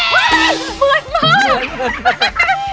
เวิ่นมาก